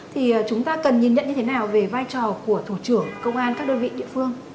thì chúng ta cần nhìn nhận như thế nào về vai trò của thủ trưởng công an các đơn vị địa phương